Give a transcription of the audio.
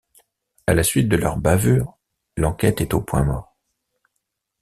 À la suite de leur bavure, l'enquête est au point mort.